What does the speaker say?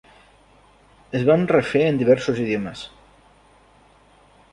Es van refer en diversos idiomes.